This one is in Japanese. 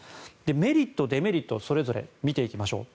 メリット、デメリットそれぞれ見ていきましょう。